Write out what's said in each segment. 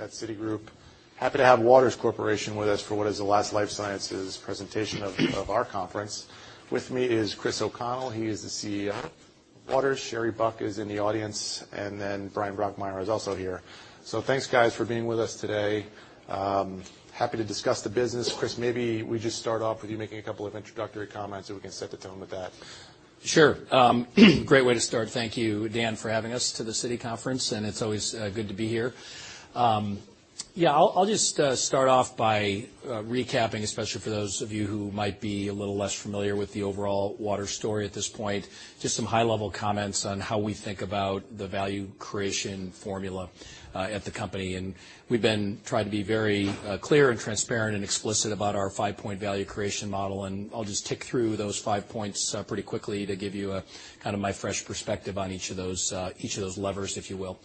Citigroup. Happy to have Waters Corporation with us for what is the last life sciences presentation of our conference. With me is Chris O'Connell. He is the CEO of Waters. Sherry Buck is in the audience, and then Bryan Brokmeier is also here. So thanks, guys, for being with us today. Happy to discuss the business. Chris, maybe we just start off with you making a couple of introductory comments so we can set the tone with that. Sure. Great way to start. Thank you, Dan, for having us to the Citi conference, and it's always good to be here. Yeah, I'll just start off by recapping, especially for those of you who might be a little less familiar with the overall Waters story at this point. Just some high-level comments on how we think about the value creation formula at the company. We've been trying to be very clear and transparent and explicit about our five-point value creation model. I'll just tick through those five points pretty quickly to give you kind of my fresh perspective on each of those levers, if you will.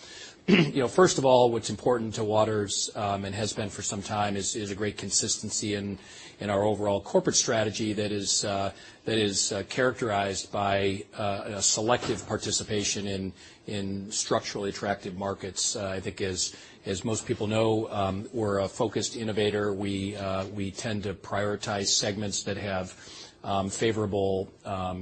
First of all, what's important to Waters, and has been for some time, is a great consistency in our overall corporate strategy that is characterized by selective participation in structurally attractive markets. I think, as most people know, we're a focused innovator. We tend to prioritize segments that have favorable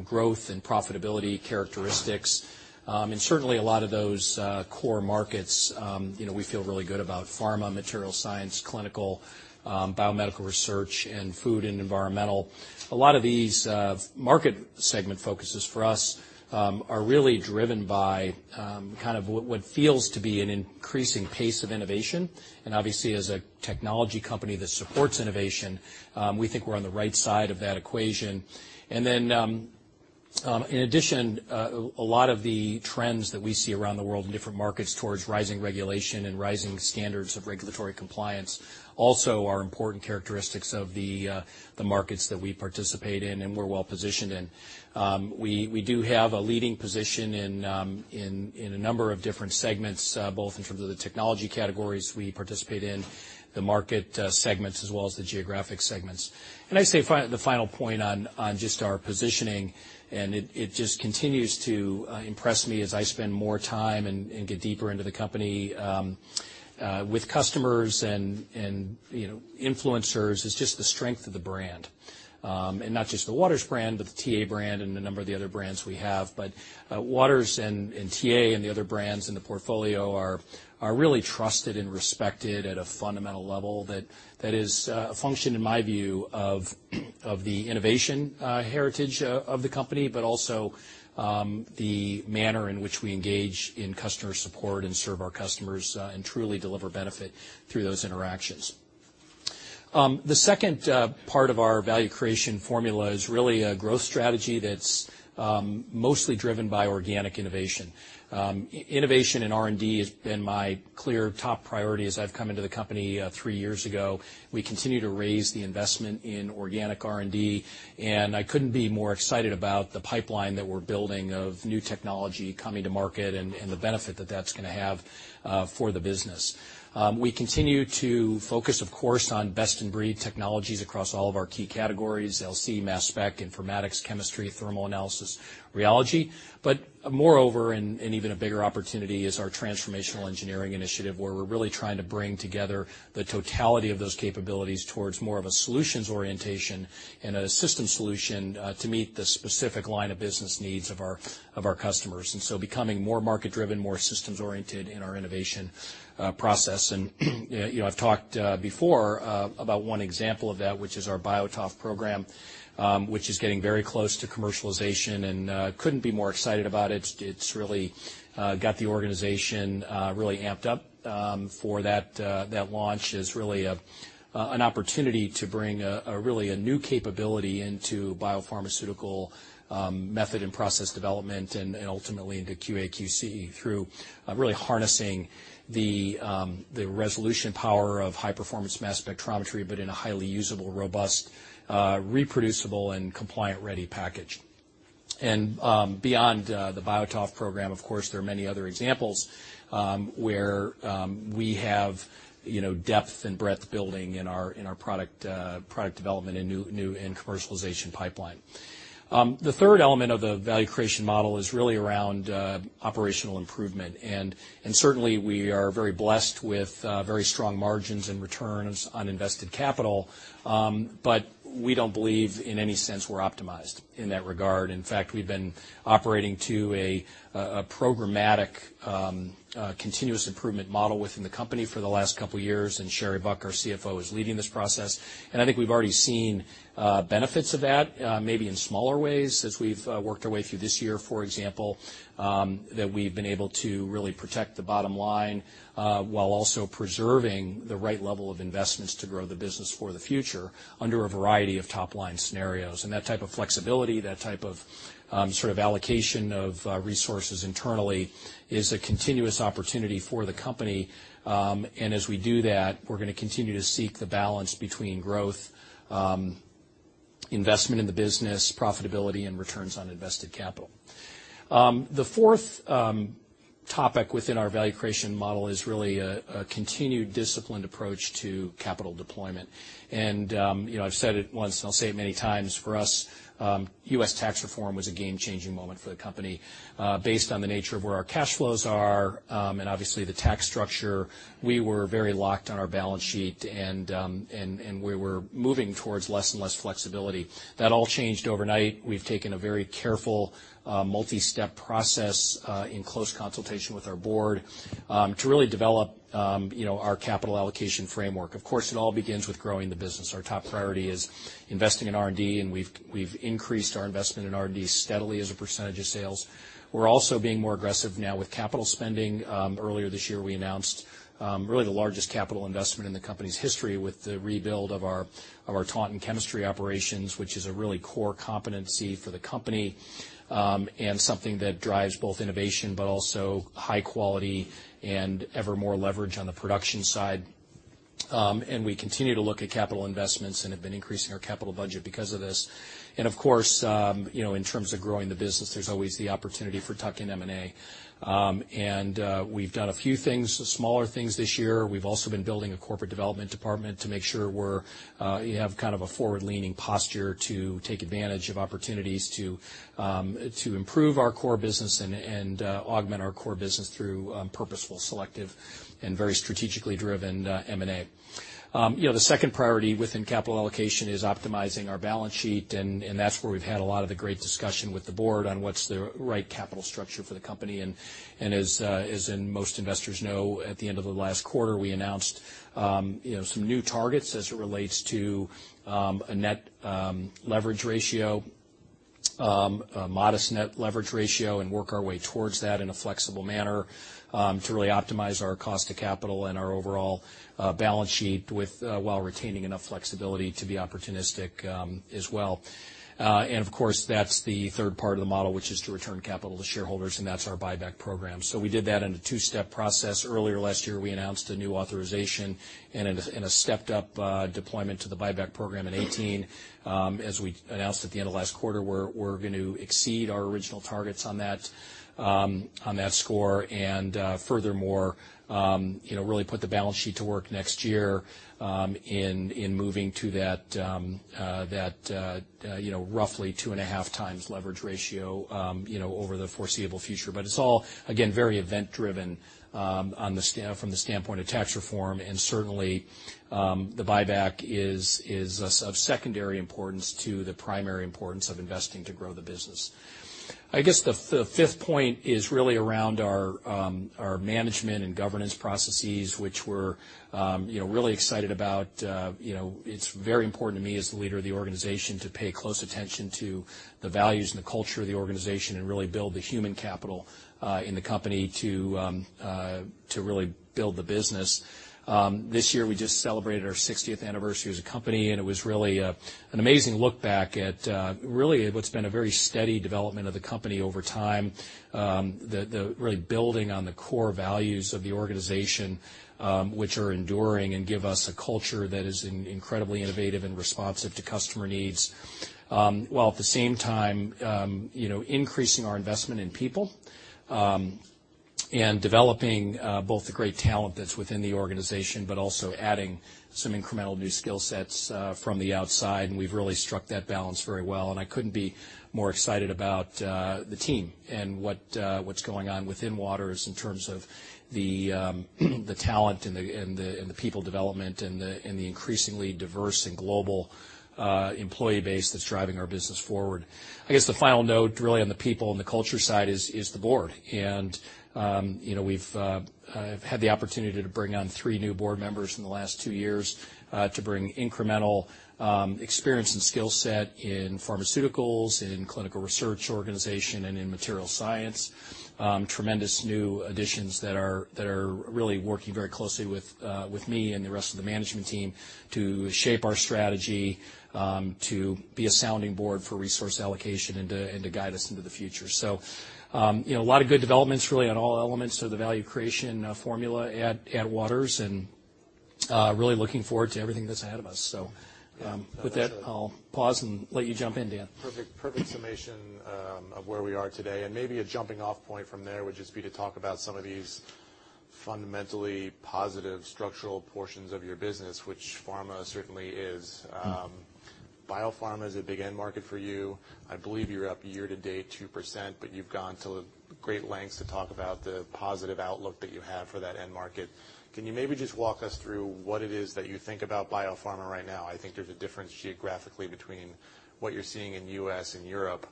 growth and profitability characteristics. And certainly, a lot of those core markets, we feel really good about pharma, material science, clinical, biomedical research, and food and environmental. A lot of these market segment focuses for us are really driven by kind of what feels to be an increasing pace of innovation. And obviously, as a technology company that supports innovation, we think we're on the right side of that equation. And then, in addition, a lot of the trends that we see around the world in different markets towards rising regulation and rising standards of regulatory compliance also are important characteristics of the markets that we participate in and we're well positioned in. We do have a leading position in a number of different segments, both in terms of the technology categories we participate in, the market segments, as well as the geographic segments. And I'd say the final point on just our positioning, and it just continues to impress me as I spend more time and get deeper into the company with customers and influencers, is just the strength of the brand. And not just the Waters brand, but the TA brand and a number of the other brands we have. But Waters and TA and the other brands in the portfolio are really trusted and respected at a fundamental level that is a function, in my view, of the innovation heritage of the company, but also the manner in which we engage in customer support and serve our customers and truly deliver benefit through those interactions. The second part of our value creation formula is really a growth strategy that's mostly driven by organic innovation. Innovation and R&D has been my clear top priority as I've come into the company three years ago. We continue to raise the investment in organic R&D, and I couldn't be more excited about the pipeline that we're building of new technology coming to market and the benefit that that's going to have for the business. We continue to focus, of course, on best-in-breed technologies across all of our key categories: LC, mass spec, informatics, chemistry, thermal analysis, rheology. But moreover, and even a bigger opportunity is our transformational engineering initiative where we're really trying to bring together the totality of those capabilities towards more of a solutions orientation and a system solution to meet the specific line of business needs of our customers. And so becoming more market-driven, more systems-oriented in our innovation process. And I've talked before about one example of that, which is our BioTOF program, which is getting very close to commercialization and couldn't be more excited about it. It's really got the organization really amped up for that launch. It's really an opportunity to bring really a new capability into biopharmaceutical method and process development and ultimately into QA/QC through really harnessing the resolution power of high-performance mass spectrometry, but in a highly usable, robust, reproducible, and compliant-ready package. And beyond the BioTOF program, of course, there are many other examples where we have depth and breadth building in our product development and commercialization pipeline. The third element of the value creation model is really around operational improvement. And certainly, we are very blessed with very strong margins and returns on invested capital, but we don't believe in any sense we're optimized in that regard. In fact, we've been operating to a programmatic continuous improvement model within the company for the last couple of years, and Sherry Buck, our CFO, is leading this process. And I think we've already seen benefits of that, maybe in smaller ways, as we've worked our way through this year, for example, that we've been able to really protect the bottom line while also preserving the right level of investments to grow the business for the future under a variety of top-line scenarios. And that type of flexibility, that type of sort of allocation of resources internally is a continuous opportunity for the company. As we do that, we're going to continue to seek the balance between growth, investment in the business, profitability, and returns on invested capital. The fourth topic within our value creation model is really a continued disciplined approach to capital deployment. And I've said it once, and I'll say it many times, for us, U.S. tax reform was a game-changing moment for the company. Based on the nature of where our cash flows are and obviously the tax structure, we were very locked on our balance sheet, and we were moving towards less and less flexibility. That all changed overnight. We've taken a very careful multi-step process in close consultation with our board to really develop our capital allocation framework. Of course, it all begins with growing the business. Our top priority is investing in R&D, and we've increased our investment in R&D steadily as a percentage of sales. We're also being more aggressive now with capital spending. Earlier this year, we announced really the largest capital investment in the company's history with the rebuild of our Taunton chemistry operations, which is a really core competency for the company and something that drives both innovation but also high quality and ever more leverage on the production side, and we continue to look at capital investments and have been increasing our capital budget because of this, and of course, in terms of growing the business, there's always the opportunity for tuck-in M&A, and we've done a few things, smaller things this year. We've also been building a corporate development department to make sure we have kind of a forward-leaning posture to take advantage of opportunities to improve our core business and augment our core business through purposeful, selective, and very strategically driven M&A. The second priority within capital allocation is optimizing our balance sheet, and that's where we've had a lot of the great discussion with the board on what's the right capital structure for the company. And as most investors know, at the end of the last quarter, we announced some new targets as it relates to a net leverage ratio, a modest net leverage ratio, and work our way towards that in a flexible manner to really optimize our cost of capital and our overall balance sheet while retaining enough flexibility to be opportunistic as well. And of course, that's the third part of the model, which is to return capital to shareholders, and that's our buyback program. So we did that in a two-step process. Earlier last year, we announced a new authorization and a stepped-up deployment to the buyback program in 2018. As we announced at the end of last quarter, we're going to exceed our original targets on that score. And furthermore, really put the balance sheet to work next year in moving to that roughly two and a half times leverage ratio over the foreseeable future. But it's all, again, very event-driven from the standpoint of tax reform, and certainly, the buyback is of secondary importance to the primary importance of investing to grow the business. I guess the fifth point is really around our management and governance processes, which we're really excited about. It's very important to me as the leader of the organization to pay close attention to the values and the culture of the organization and really build the human capital in the company to really build the business. This year, we just celebrated our 60th anniversary as a company, and it was really an amazing look back at really what's been a very steady development of the company over time, the really building on the core values of the organization, which are enduring and give us a culture that is incredibly innovative and responsive to customer needs, while at the same time increasing our investment in people and developing both the great talent that's within the organization, but also adding some incremental new skill sets from the outside, and we've really struck that balance very well, and I couldn't be more excited about the team and what's going on within Waters in terms of the talent and the people development and the increasingly diverse and global employee base that's driving our business forward. I guess the final note really on the people and the culture side is the board, and we've had the opportunity to bring on three new board members in the last two years to bring incremental experience and skill set in pharmaceuticals, in clinical research organization, and in material science. Tremendous new additions that are really working very closely with me and the rest of the management team to shape our strategy, to be a sounding board for resource allocation, and to guide us into the future, so a lot of good developments really on all elements of the value creation formula at Waters, and really looking forward to everything that's ahead of us, so with that, I'll pause and let you jump in, Dan. Perfect summation of where we are today, and maybe a jumping-off point from there would just be to talk about some of these fundamentally positive structural portions of your business, which pharma certainly is. Biopharma is a big end market for you. I believe you're up year to date 2%, but you've gone to great lengths to talk about the positive outlook that you have for that end market. Can you maybe just walk us through what it is that you think about biopharma right now? I think there's a difference geographically between what you're seeing in the U.S. and Europe.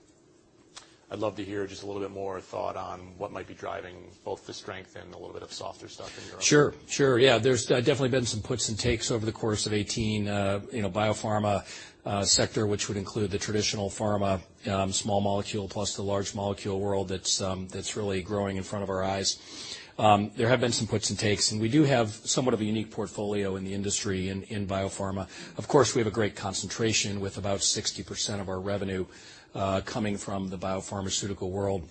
I'd love to hear just a little bit more thought on what might be driving both the strength and a little bit of softer stuff in Europe. Sure. Sure. Yeah. There's definitely been some puts and takes over the course of 2018. Biopharma sector, which would include the traditional pharma, small molecule plus the large molecule world that's really growing in front of our eyes. There have been some puts and takes, and we do have somewhat of a unique portfolio in the industry in biopharma. Of course, we have a great concentration with about 60% of our revenue coming from the biopharmaceutical world.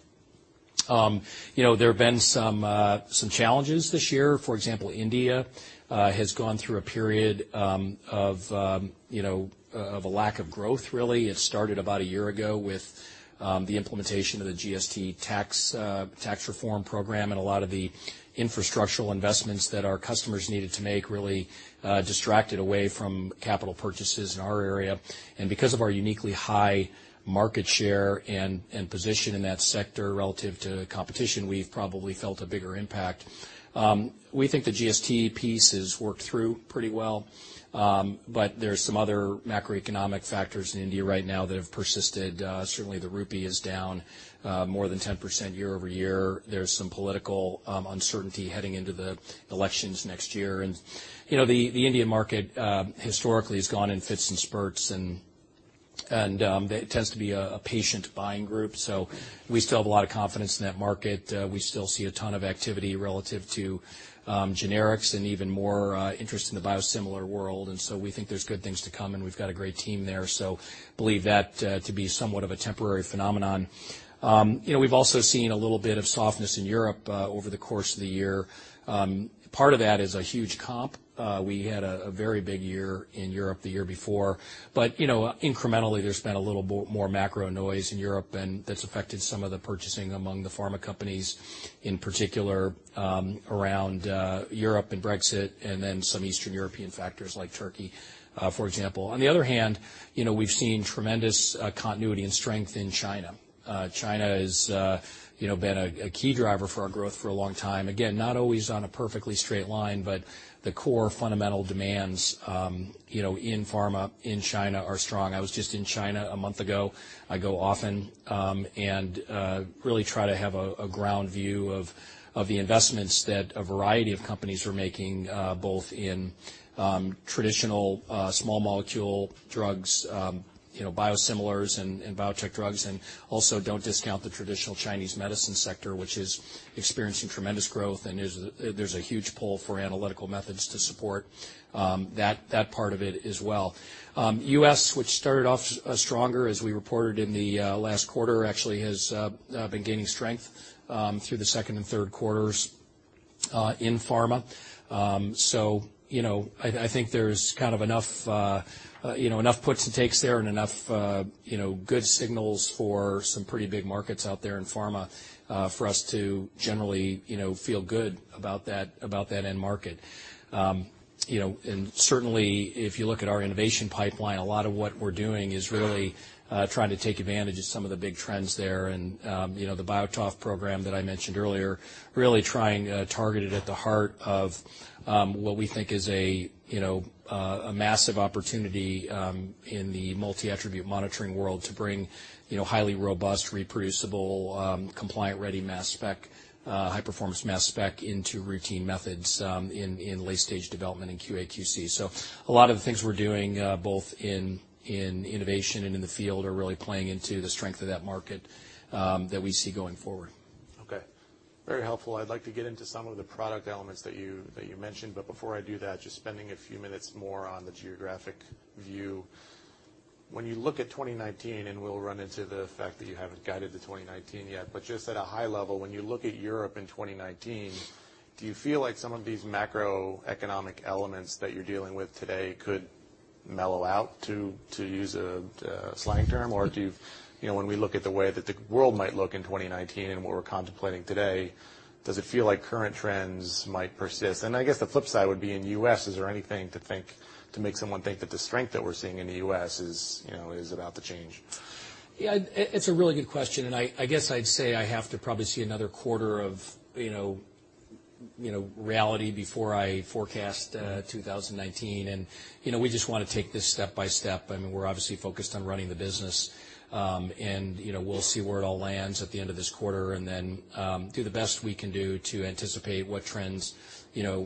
There have been some challenges this year. For example, India has gone through a period of a lack of growth, really. It started about a year ago with the implementation of the GST tax reform program, and a lot of the infrastructural investments that our customers needed to make really distracted away from capital purchases in our area. Because of our uniquely high market share and position in that sector relative to competition, we've probably felt a bigger impact. We think the GST piece has worked through pretty well, but there's some other macroeconomic factors in India right now that have persisted. Certainly, the rupee is down more than 10% year over year. There's some political uncertainty heading into the elections next year. The Indian market historically has gone in fits and spurts, and it tends to be a patient buying group. We still have a lot of confidence in that market. We still see a ton of activity relative to generics and even more interest in the biosimilar world. We think there's good things to come, and we've got a great team there. I believe that to be somewhat of a temporary phenomenon. We've also seen a little bit of softness in Europe over the course of the year. Part of that is a huge comp. We had a very big year in Europe the year before. But incrementally, there's been a little more macro noise in Europe, and that's affected some of the purchasing among the pharma companies, in particular around Europe and Brexit, and then some Eastern European factors like Turkey, for example. On the other hand, we've seen tremendous continuity and strength in China. China has been a key driver for our growth for a long time. Again, not always on a perfectly straight line, but the core fundamental demands in pharma in China are strong. I was just in China a month ago. I go often and really try to have a ground view of the investments that a variety of companies are making, both in traditional small molecule drugs, biosimilars and biotech drugs, and also don't discount the traditional Chinese medicine sector, which is experiencing tremendous growth, and there's a huge pull for analytical methods to support that part of it as well. U.S., which started off stronger as we reported in the last quarter, actually has been gaining strength through the second and third quarters in pharma. So I think there's kind of enough puts and takes there and enough good signals for some pretty big markets out there in pharma for us to generally feel good about that end market. And certainly, if you look at our innovation pipeline, a lot of what we're doing is really trying to take advantage of some of the big trends there. The BioTOF program that I mentioned earlier, really trying to target it at the heart of what we think is a massive opportunity in the multi-attribute monitoring world to bring highly robust, reproducible, compliant-ready mass spec, high-performance mass spec into routine methods in late-stage development in QA/QC. A lot of the things we're doing, both in innovation and in the field, are really playing into the strength of that market that we see going forward. Okay. Very helpful. I'd like to get into some of the product elements that you mentioned, but before I do that, just spending a few minutes more on the geographic view. When you look at 2019, and we'll run into the fact that you haven't guided to 2019 yet, but just at a high level, when you look at Europe in 2019, do you feel like some of these macroeconomic elements that you're dealing with today could mellow out, to use a slang term? Or when we look at the way that the world might look in 2019 and what we're contemplating today, does it feel like current trends might persist? And I guess the flip side would be in U.S., is there anything to make someone think that the strength that we're seeing in the U.S. is about to change? Yeah. It's a really good question, and I guess I'd say I have to probably see another quarter of reality before I forecast 2019. And we just want to take this step by step. I mean, we're obviously focused on running the business, and we'll see where it all lands at the end of this quarter, and then do the best we can do to anticipate what trends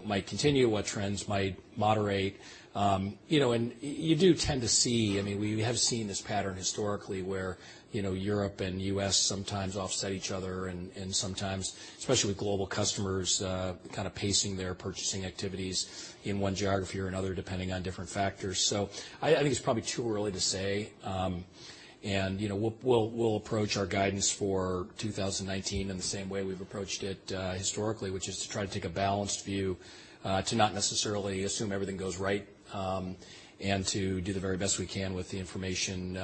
might continue, what trends might moderate. And you do tend to see I mean, we have seen this pattern historically where Europe and U.S. sometimes offset each other, and sometimes, especially with global customers, kind of pacing their purchasing activities in one geography or another depending on different factors. So I think it's probably too early to say. We'll approach our guidance for 2019 in the same way we've approached it historically, which is to try to take a balanced view, to not necessarily assume everything goes right, and to do the very best we can with the information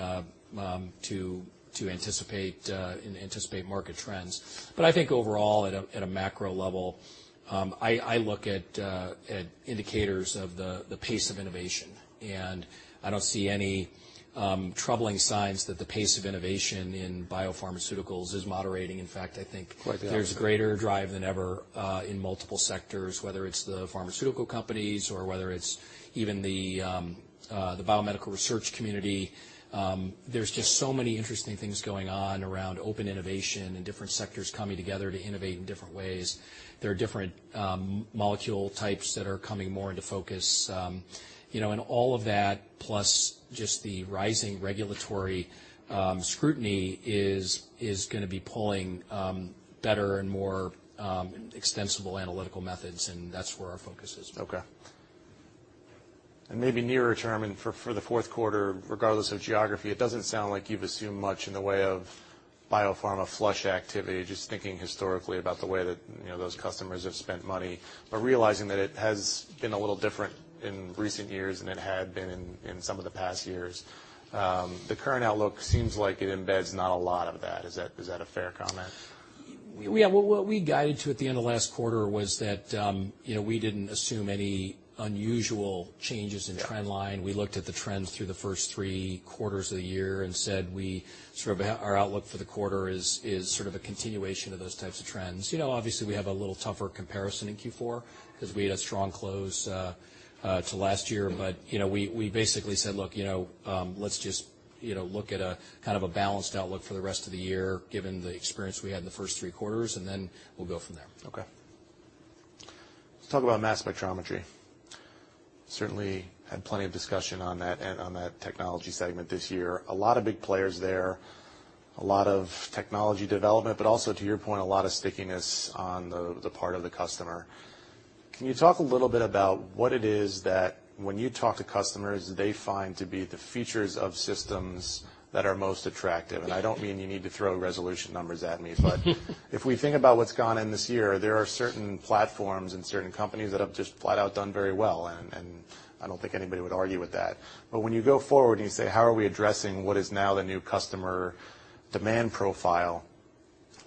to anticipate market trends. I think overall, at a macro level, I look at indicators of the pace of innovation, and I don't see any troubling signs that the pace of innovation in biopharmaceuticals is moderating. In fact, I think there's greater drive than ever in multiple sectors, whether it's the pharmaceutical companies or whether it's even the biomedical research community. There's just so many interesting things going on around open innovation and different sectors coming together to innovate in different ways. There are different molecule types that are coming more into focus. All of that, plus just the rising regulatory scrutiny, is going to be pulling better and more extensible analytical methods, and that's where our focus is. Okay. And maybe nearer term for the fourth quarter, regardless of geography, it doesn't sound like you've assumed much in the way of biopharma flush activity, just thinking historically about the way that those customers have spent money, but realizing that it has been a little different in recent years than it had been in some of the past years. The current outlook seems like it embeds not a lot of that. Is that a fair comment? Yeah. What we guided to at the end of last quarter was that we didn't assume any unusual changes in trend line. We looked at the trends through the first three quarters of the year and said our outlook for the quarter is sort of a continuation of those types of trends. Obviously, we have a little tougher comparison in Q4 because we had a strong close to last year, but we basically said, "Look, let's just look at a kind of a balanced outlook for the rest of the year given the experience we had in the first three quarters, and then we'll go from there. Okay. Let's talk about mass spectrometry. Certainly had plenty of discussion on that technology segment this year. A lot of big players there, a lot of technology development, but also, to your point, a lot of stickiness on the part of the customer. Can you talk a little bit about what it is that when you talk to customers, they find to be the features of systems that are most attractive, and I don't mean you need to throw resolution numbers at me, but if we think about what's gone in this year, there are certain platforms and certain companies that have just flat out done very well, and I don't think anybody would argue with that, but when you go forward and you say, "How are we addressing what is now the new customer demand profile?"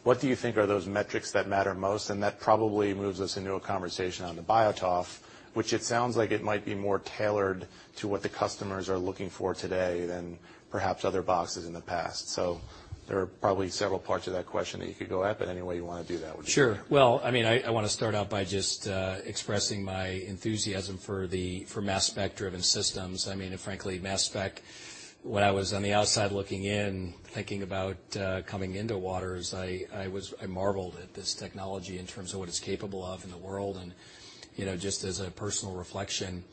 What do you think are those metrics that matter most? And that probably moves us into a conversation on the BioTOF, which it sounds like it might be more tailored to what the customers are looking for today than perhaps other boxes in the past. So there are probably several parts of that question that you could go at, but any way you want to do that would be great. Sure. Well, I mean, I want to start out by just expressing my enthusiasm for mass spec driven systems. I mean, frankly, mass spec, when I was on the outside looking in, thinking about coming into Waters, I marveled at this technology in terms of what it's capable of in the world. And just as a personal reflection,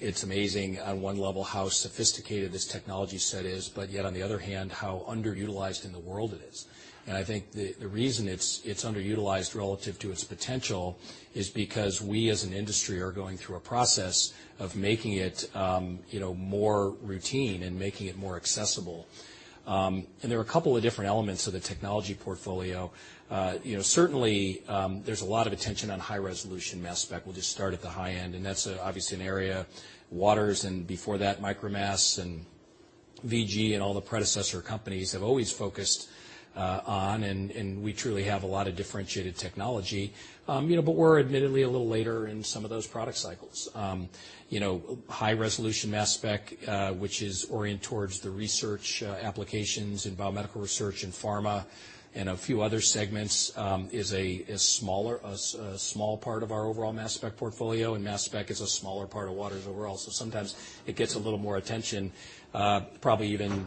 it's amazing on one level how sophisticated this technology set is, but yet on the other hand, how underutilized in the world it is. And I think the reason it's underutilized relative to its potential is because we as an industry are going through a process of making it more routine and making it more accessible. And there are a couple of different elements of the technology portfolio. Certainly, there's a lot of attention on high-resolution mass spec. We'll just start at the high end, and that's obviously an area. Waters and before that, Micromass and VG and all the predecessor companies have always focused on, and we truly have a lot of differentiated technology, but we're admittedly a little later in some of those product cycles. High-resolution mass spec, which is oriented towards the research applications in biomedical research and pharma and a few other segments, is a small part of our overall mass spec portfolio, and mass spec is a smaller part of Waters overall, so sometimes it gets a little more attention, probably even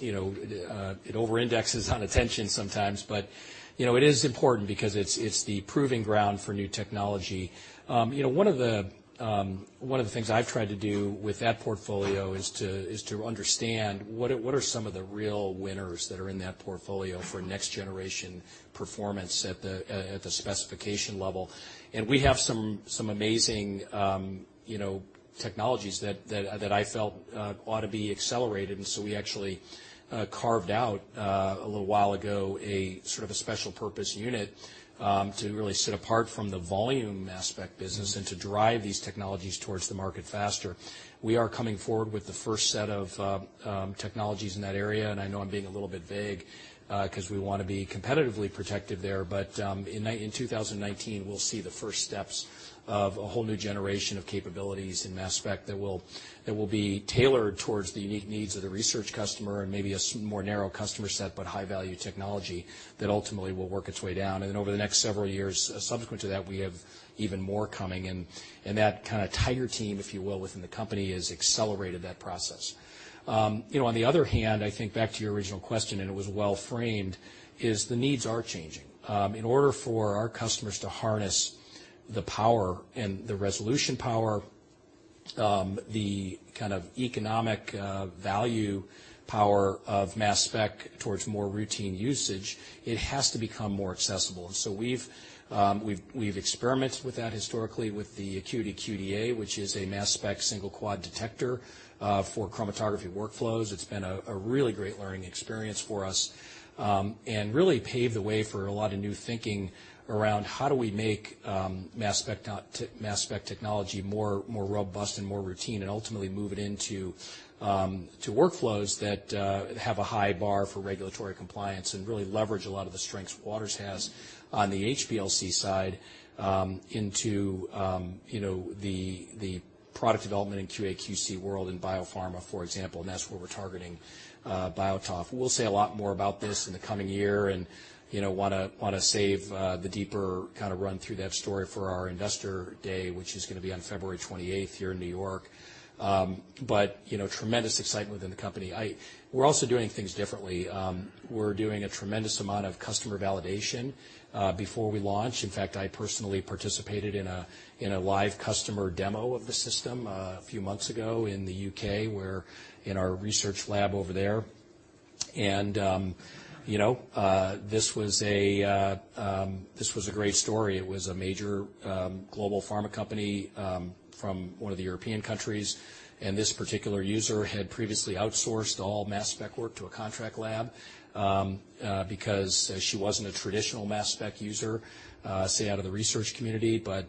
it over-indexes on attention sometimes, but it is important because it's the proving ground for new technology. One of the things I've tried to do with that portfolio is to understand what are some of the real winners that are in that portfolio for next-generation performance at the specification level. And we have some amazing technologies that I felt ought to be accelerated, and so we actually carved out a little while ago a sort of a special purpose unit to really sit apart from the volume mass spec business and to drive these technologies towards the market faster. We are coming forward with the first set of technologies in that area, and I know I'm being a little bit vague because we want to be competitively protective there, but in 2019, we'll see the first steps of a whole new generation of capabilities in mass spec that will be tailored towards the unique needs of the research customer and maybe a more narrow customer set, but high-value technology that ultimately will work its way down. And then over the next several years subsequent to that, we have even more coming, and that kind of tiger team, if you will, within the company has accelerated that process. On the other hand, I think back to your original question, and it was well framed. The needs are changing. In order for our customers to harness the power and the resolution power, the kind of economic value power of mass spec towards more routine usage, it has to become more accessible. And so we've experimented with that historically with the ACQUITY QDa, which is a mass spec single quad detector for chromatography workflows. It's been a really great learning experience for us and really paved the way for a lot of new thinking around how do we make mass spec technology more robust and more routine and ultimately move it into workflows that have a high bar for regulatory compliance and really leverage a lot of the strengths Waters has on the HPLC side into the product development in QA/QC world in biopharma, for example, and that's where we're targeting BioTOF. We'll say a lot more about this in the coming year and want to save the deeper kind of run through that story for our investor day, which is going to be on February 28th here in New York, but tremendous excitement within the company. We're also doing things differently. We're doing a tremendous amount of customer validation before we launch. In fact, I personally participated in a live customer demo of the system a few months ago in the UK, where, in our research lab over there, and this was a great story. It was a major global pharma company from one of the European countries, and this particular user had previously outsourced all mass spec work to a contract lab because she wasn't a traditional mass spec user, say, out of the research community, but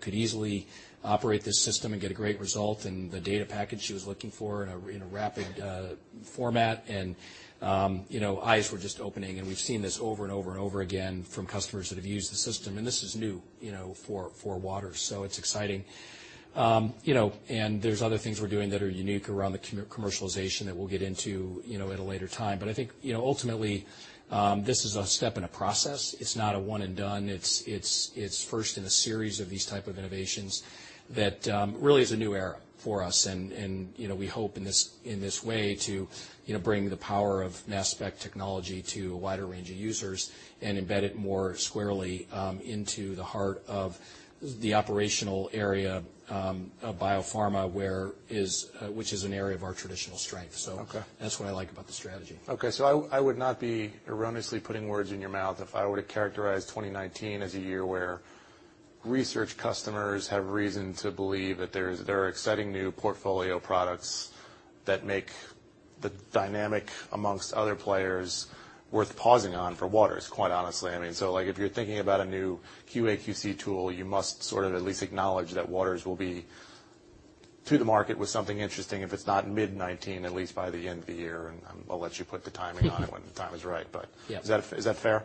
could easily operate this system and get a great result in the data package she was looking for in a rapid format, and eyes were just opening, and we've seen this over and over and over again from customers that have used the system, and this is new for Waters. It's exciting, and there's other things we're doing that are unique around the commercialization that we'll get into at a later time. But I think ultimately, this is a step in a process. It's not a one-and-done. It's first in a series of these types of innovations that really is a new era for us, and we hope in this way to bring the power of mass spec technology to a wider range of users and embed it more squarely into the heart of the operational area of biopharma, which is an area of our traditional strength. So that's what I like about the strategy. Okay. So I would not be erroneously putting words in your mouth. If I were to characterize 2019 as a year where research customers have reason to believe that there are exciting new portfolio products that make the dynamic amongst other players worth pausing on for Waters, quite honestly. I mean, so if you're thinking about a new QA/QC tool, you must sort of at least acknowledge that Waters will be to the market with something interesting if it's not mid-2019, at least by the end of the year, and I'll let you put the timing on it when the time is right. But is that fair?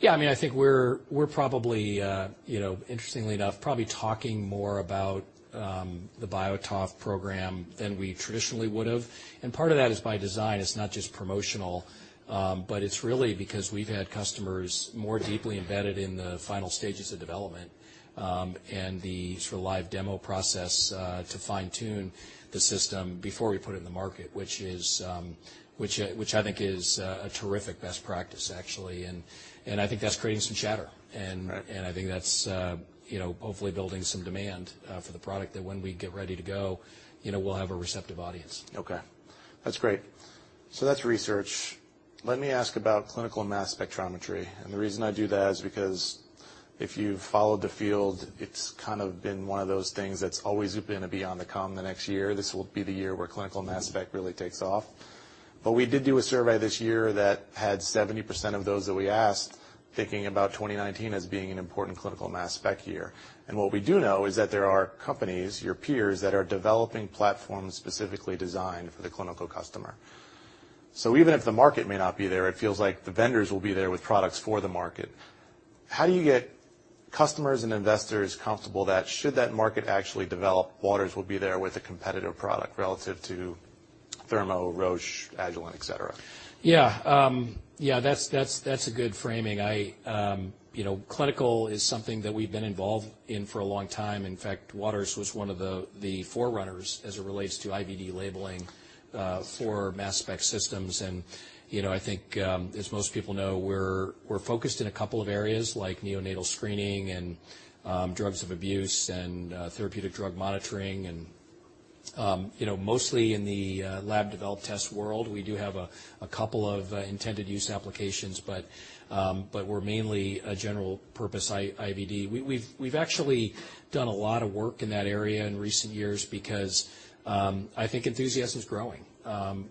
Yeah. I mean, I think we're probably, interestingly enough, probably talking more about the BioTOF program than we traditionally would have. And part of that is by design. It's not just promotional, but it's really because we've had customers more deeply embedded in the final stages of development and the sort of live demo process to fine-tune the system before we put it in the market, which I think is a terrific best practice, actually. And I think that's creating some chatter, and I think that's hopefully building some demand for the product that when we get ready to go, we'll have a receptive audience. Okay. That's great. So that's research. Let me ask about clinical mass spectrometry. The reason I do that is because if you've followed the field, it's kind of been one of those things that's always been beyond the horizon, the next year. This will be the year where clinical mass spec really takes off. But we did do a survey this year that had 70% of those that we asked thinking about 2019 as being an important clinical mass spec year. What we do know is that there are companies, your peers, that are developing platforms specifically designed for the clinical customer. So even if the market may not be there, it feels like the vendors will be there with products for the market. How do you get customers and investors comfortable that should that market actually develop, Waters will be there with a competitive product relative to Thermo, Roche, Agilent, etc.? Yeah. Yeah. That's a good framing. Clinical is something that we've been involved in for a long time. In fact, Waters was one of the forerunners as it relates to IVD labeling for mass spec systems. And I think, as most people know, we're focused in a couple of areas like neonatal screening and drugs of abuse and therapeutic drug monitoring. And mostly in the lab-developed test world, we do have a couple of intended use applications, but we're mainly a general-purpose IVD. We've actually done a lot of work in that area in recent years because I think enthusiasm is growing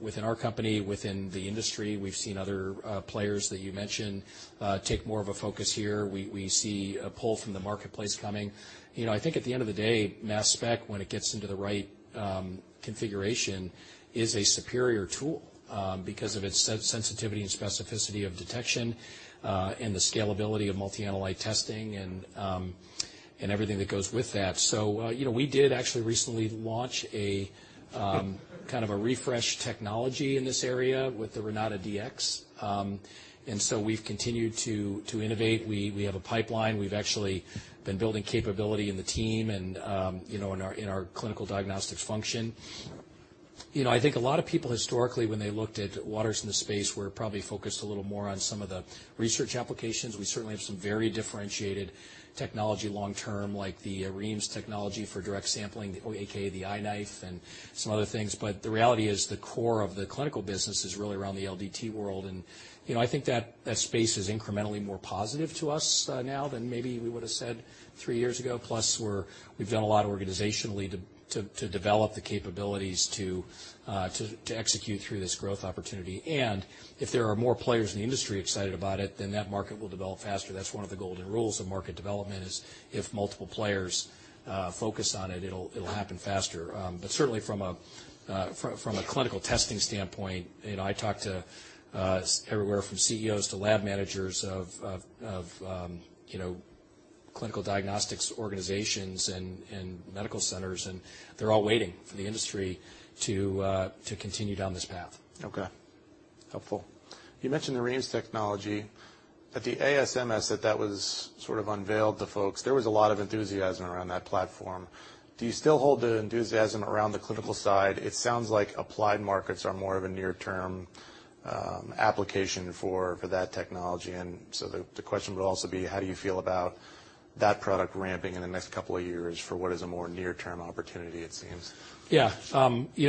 within our company, within the industry. We've seen other players that you mentioned take more of a focus here. We see a pull from the marketplace coming. I think at the end of the day, mass spec, when it gets into the right configuration, is a superior tool because of its sensitivity and specificity of detection and the scalability of multi-analyte testing and everything that goes with that. So we did actually recently launch a kind of a refresh technology in this area with the RenataDX. And so we've continued to innovate. We have a pipeline. We've actually been building capability in the team and in our clinical diagnostics function. I think a lot of people historically, when they looked at Waters in the space, were probably focused a little more on some of the research applications. We certainly have some very differentiated technology long-term, like the REIMS technology for direct sampling, aka the iKnife, and some other things. But the reality is the core of the clinical business is really around the LDT world. And I think that space is incrementally more positive to us now than maybe we would have said three years ago. Plus, we've done a lot organizationally to develop the capabilities to execute through this growth opportunity. And if there are more players in the industry excited about it, then that market will develop faster. That's one of the golden rules of market development: if multiple players focus on it, it'll happen faster. But certainly, from a clinical testing standpoint, I talked to everywhere from CEOs to lab managers of clinical diagnostics organizations and medical centers, and they're all waiting for the industry to continue down this path. Okay. Helpful. You mentioned the REIMS technology. At the ASMS, that was sort of unveiled to folks, there was a lot of enthusiasm around that platform. Do you still hold the enthusiasm around the clinical side? It sounds like applied markets are more of a near-term application for that technology. And so the question would also be, how do you feel about that product ramping in the next couple of years for what is a more near-term opportunity, it seems? Yeah.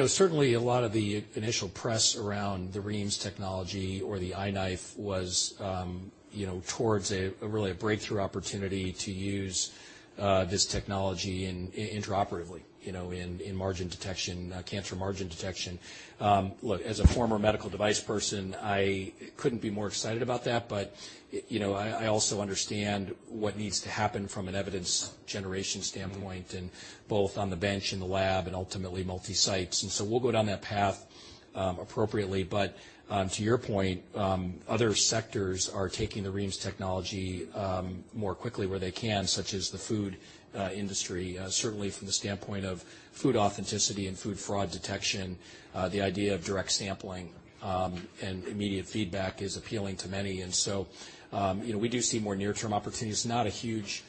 Certainly, a lot of the initial press around the REIMS technology or the iKnife was towards really a breakthrough opportunity to use this technology intraoperatively in margin detection, cancer margin detection. Look, as a former medical device person, I couldn't be more excited about that, but I also understand what needs to happen from an evidence generation standpoint, and both on the bench and the lab and ultimately multi-sites. We'll go down that path appropriately. To your point, other sectors are taking the REIMS technology more quickly where they can, such as the food industry, certainly from the standpoint of food authenticity and food fraud detection. The idea of direct sampling and immediate feedback is appealing to many. We do see more near-term opportunities. It's not a huge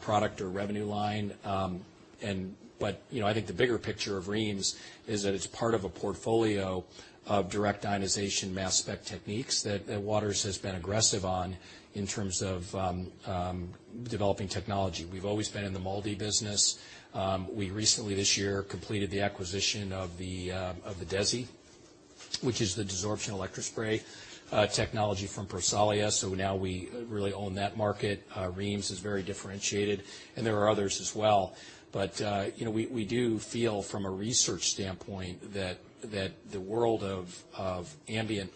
product or revenue line, but I think the bigger picture of REIMS is that it's part of a portfolio of direct ionization mass spec techniques that Waters has been aggressive on in terms of developing technology. We've always been in the MALDI business. We recently, this year, completed the acquisition of the DESI, which is the desorption electrospray technology from Prosolia. So now we really own that market. REIMS is very differentiated, and there are others as well. But we do feel, from a research standpoint, that the world of ambient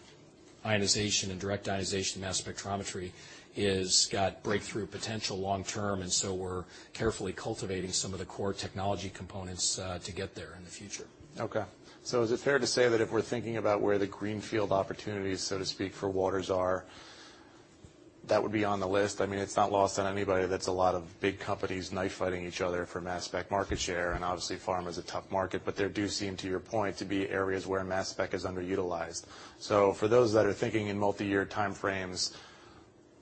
ionization and direct ionization mass spectrometry has got breakthrough potential long-term, and so we're carefully cultivating some of the core technology components to get there in the future. Okay. So is it fair to say that if we're thinking about where the greenfield opportunities, so to speak, for Waters are, that would be on the list? I mean, it's not lost on anybody that's a lot of big companies knife-fighting each other for mass spec market share, and obviously, pharma is a tough market, but there do seem, to your point, to be areas where mass spec is underutilized. So for those that are thinking in multi-year time frames,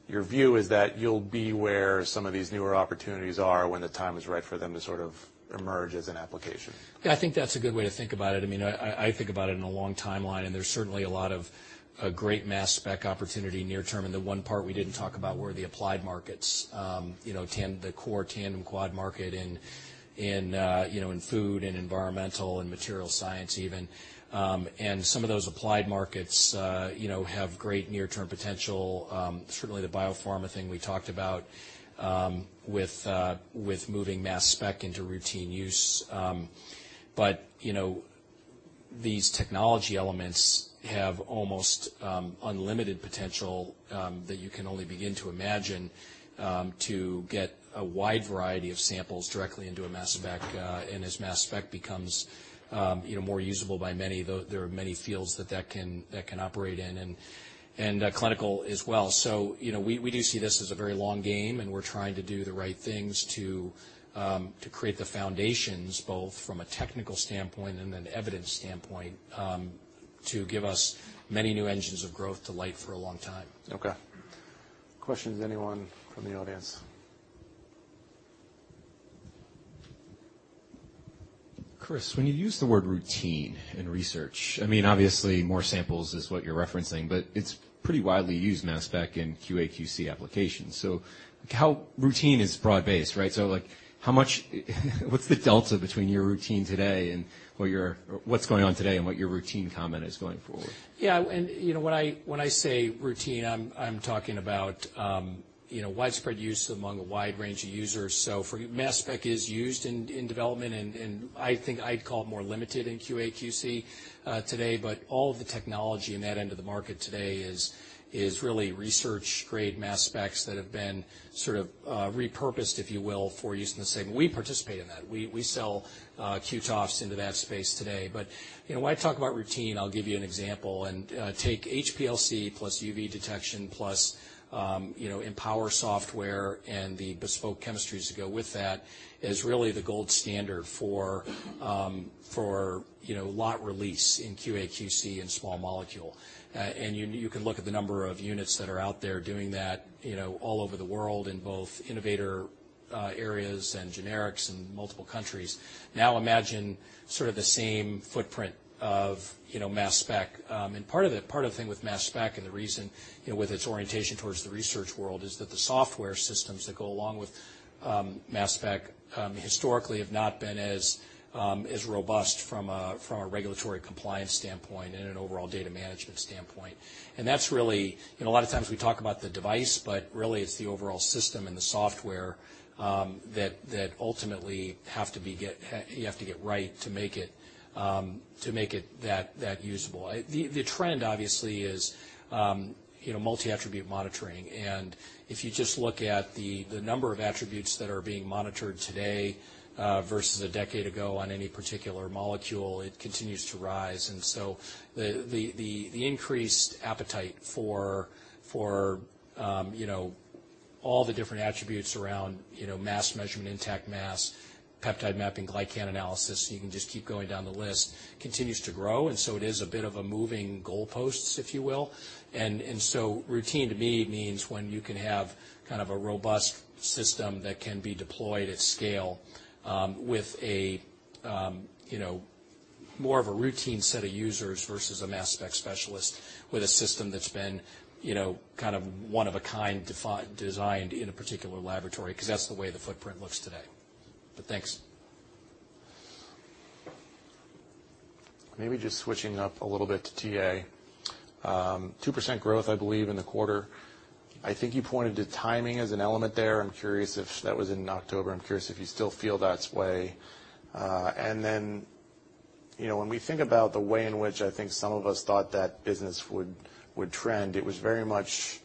your view is that you'll be where some of these newer opportunities are when the time is right for them to sort of emerge as an application? Yeah. I think that's a good way to think about it. I mean, I think about it in a long timeline, and there's certainly a lot of great mass spec opportunity near-term. And the one part we didn't talk about were the applied markets, the core tandem quad market in food and environmental and material science even. And some of those applied markets have great near-term potential, certainly the biopharma thing we talked about with moving mass spec into routine use. But these technology elements have almost unlimited potential that you can only begin to imagine to get a wide variety of samples directly into a mass spec. And as mass spec becomes more usable by many, there are many fields that that can operate in and clinical as well. We do see this as a very long game, and we're trying to do the right things to create the foundations, both from a technical standpoint and an evidence standpoint, to give us many new engines of growth to light for a long time. Okay. Questions, anyone from the audience? Chris, when you use the word routine in research, I mean, obviously, more samples is what you're referencing, but it's pretty widely used mass spec in QA/QC applications. So routine is broad-based, right? So what's the delta between your routine today and what's going on today and what your routine comment is going forward? Yeah. And when I say routine, I'm talking about widespread use among a wide range of users. So mass spec is used in development, and I think I'd call it more limited in QA/QC today. But all of the technology in that end of the market today is really research-grade mass specs that have been sort of repurposed, if you will, for use in the same. We participate in that. We sell QTOFs into that space today. But when I talk about routine, I'll give you an example. And take HPLC plus UV detection plus Empower software and the bespoke chemistries that go with that as really the gold standard for lot release in QA/QC and small molecule. And you can look at the number of units that are out there doing that all over the world in both innovator areas and generics in multiple countries. Now imagine sort of the same footprint of mass spec. And part of the thing with mass spec and the reason with its orientation towards the research world is that the software systems that go along with mass spec historically have not been as robust from a regulatory compliance standpoint and an overall data management standpoint. And that's really a lot of times we talk about the device, but really it's the overall system and the software that ultimately have to be you have to get right to make it that usable. The trend, obviously, is multi-attribute monitoring. And if you just look at the number of attributes that are being monitored today versus a decade ago on any particular molecule, it continues to rise. And so the increased appetite for all the different attributes around mass measurement, intact mass, peptide mapping, glycan analysis, you can just keep going down the list, continues to grow. And so it is a bit of a moving goalposts, if you will. And so routine to me means when you can have kind of a robust system that can be deployed at scale with more of a routine set of users versus a mass spec specialist with a system that's been kind of one of a kind designed in a particular laboratory because that's the way the footprint looks today. But thanks. Maybe just switching up a little bit to TA. 2% growth, I believe, in the quarter. I think you pointed to timing as an element there. I'm curious if that was in October. I'm curious if you still feel that way, and then when we think about the way in which I think some of us thought that business would trend, it was very much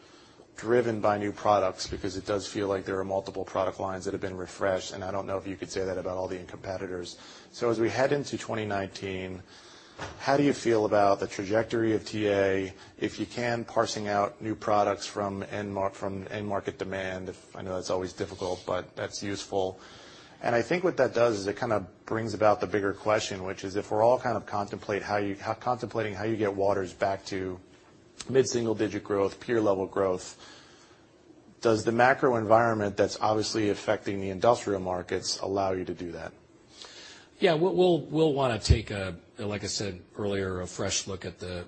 driven by new products because it does feel like there are multiple product lines that have been refreshed. And I don't know if you could say that about all the competitors. So as we head into 2019, how do you feel about the trajectory of TA, if you can, parsing out new products from end-market demand? I know that's always difficult, but that's useful. And I think what that does is it kind of brings about the bigger question, which is if we're all kind of contemplating how you get Waters back to mid-single-digit growth, peer-level growth, does the macro environment that's obviously affecting the industrial markets allow you to do that? Yeah. We'll want to take, like I said earlier, a fresh look at the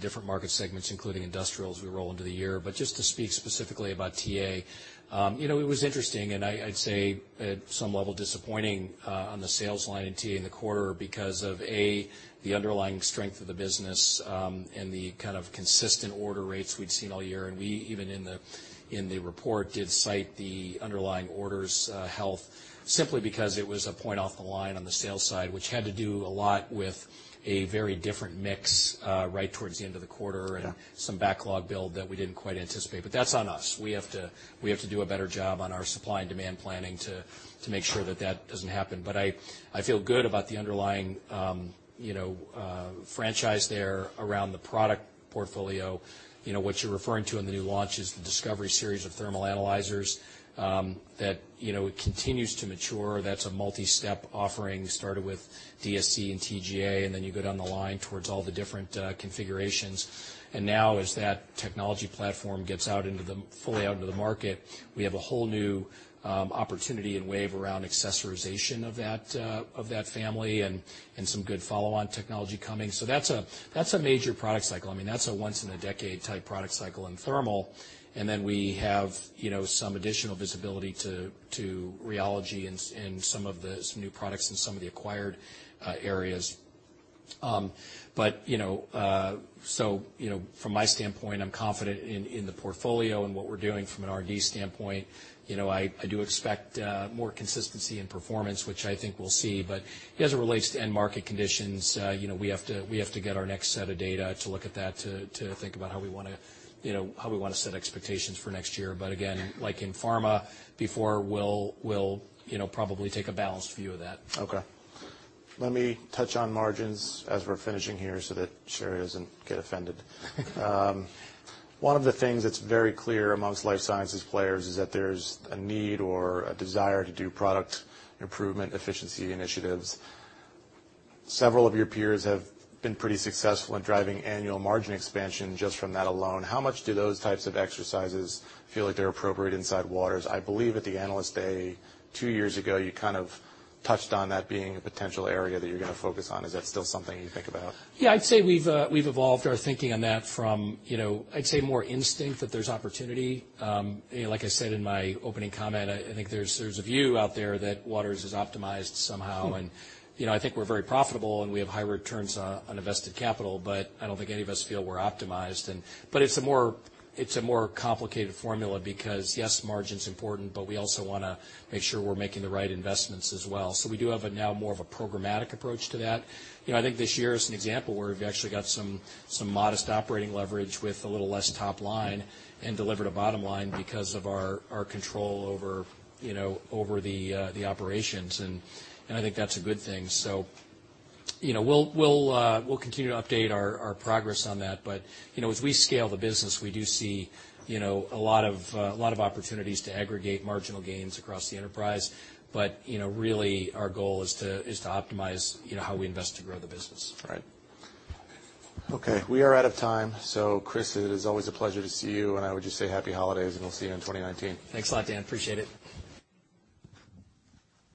different market segments, including industrials, as we roll into the year. But just to speak specifically about TA, it was interesting, and I'd say at some level disappointing on the sales line in TA in the quarter because of, a, the underlying strength of the business and the kind of consistent order rates we'd seen all year. And we even in the report did cite the underlying orders health simply because it was a point off the line on the sales side, which had to do a lot with a very different mix right towards the end of the quarter and some backlog build that we didn't quite anticipate. But that's on us. We have to do a better job on our supply and demand planning to make sure that that doesn't happen. But I feel good about the underlying franchise there around the product portfolio. What you're referring to in the new launch is the Discovery series of thermal analyzers that continues to mature. That's a multi-step offering started with DSC and TGA, and then you go down the line towards all the different configurations. And now, as that technology platform gets fully out into the market, we have a whole new opportunity and wave around accessorization of that family and some good follow-on technology coming. So that's a major product cycle. I mean, that's a once-in-a-decade type product cycle in thermal. And then we have some additional visibility to rheology in some of the new products and some of the acquired areas. But so from my standpoint, I'm confident in the portfolio and what we're doing from an R&D standpoint. I do expect more consistency in performance, which I think we'll see. But as it relates to end-market conditions, we have to get our next set of data to look at that to think about how we want to set expectations for next year. But again, like in pharma before, we'll probably take a balanced view of that. Okay. Let me touch on margins as we're finishing here so that Sherry doesn't get offended. One of the things that's very clear amongst life sciences players is that there's a need or a desire to do product improvement efficiency initiatives. Several of your peers have been pretty successful in driving annual margin expansion just from that alone. How much do those types of exercises feel like they're appropriate inside Waters? I believe at the analyst day two years ago, you kind of touched on that being a potential area that you're going to focus on. Is that still something you think about? Yeah. I'd say we've evolved our thinking on that from, I'd say, more instinct that there's opportunity. Like I said in my opening comment, I think there's a view out there that Waters is optimized somehow, and I think we're very profitable and we have high returns on invested capital, but I don't think any of us feel we're optimized. But it's a more complicated formula because, yes, margin's important, but we also want to make sure we're making the right investments as well. So we do have now more of a programmatic approach to that. I think this year is an example where we've actually got some modest operating leverage with a little less top line and delivered a bottom line because of our control over the operations. And I think that's a good thing. So we'll continue to update our progress on that. But as we scale the business, we do see a lot of opportunities to aggregate marginal gains across the enterprise. But really, our goal is to optimize how we invest to grow the business. Right. Okay. We are out of time. So, Chris, it is always a pleasure to see you, and I would just say happy holidays, and we'll see you in 2019. Thanks a lot, Dan. Appreciate it.